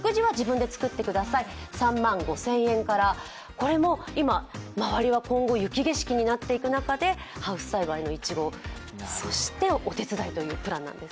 これも今、周りは今後、雪景色になっていく中でハウス栽培のいちごそしてお手伝いというプランです。